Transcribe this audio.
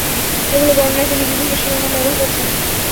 এগুলো বর্ণনায় তিনি বিভিন্ন শিরোনাম ব্যবহার করেছেন।